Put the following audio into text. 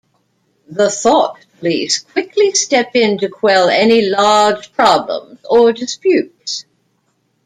The thought police quickly step in to quell any large problems or disputes.